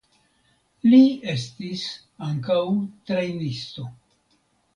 Li estis ankaŭ trejnisto.